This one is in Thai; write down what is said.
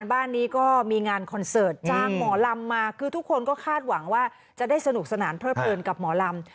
บ้านนี้ก็มีงานคอนเสิร์ตจ้างหมอลำมาคือทุกคนก็คาดหวังว่าจะได้สนุกสนานเพลิดเพลินกับหมอลำ